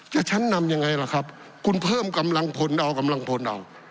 ชั้นนำยังไงล่ะครับคุณเพิ่มกำลังพลเอากำลังพลเอา